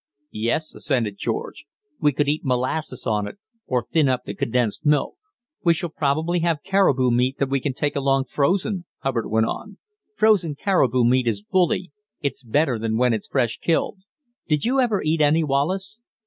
"Yes," assented George; "we could eat molasses on it, or thin up the condensed milk." "We shall probably have caribou meat that we can take along frozen," Hubbard went on. "Frozen caribou meat is bully; it's better than when it's fresh killed. Did you ever eat any, Wallace?"